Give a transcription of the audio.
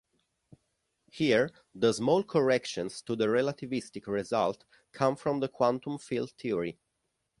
Here the small corrections to the relativistic result come from the quantum field theory.